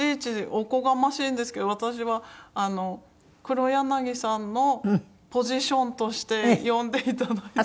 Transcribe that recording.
おこがましいんですけど私はあの黒柳さんのポジションとして呼んでいただいて。